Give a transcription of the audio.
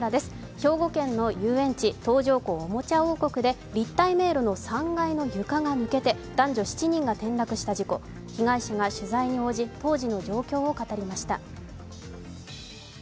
兵庫県の遊園地、東条湖おもちゃ王国で立体迷路の３階の床が抜けて男女７人が転落した事故、被害者が取材に応じ当時の状況を語りました。